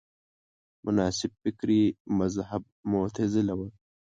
مناسب فکري مذهب معتزله وه